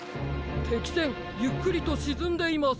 てきせんゆっくりとしずんでいます。